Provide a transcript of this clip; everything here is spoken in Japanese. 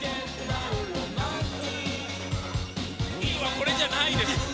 これじゃないです。